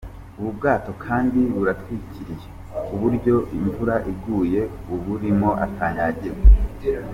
Ubu bwato kandi buratwikiriye ku buryo imvura iguye uburimo atanyagirwa.